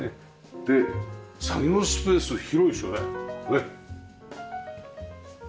で作業スペース広いですよね。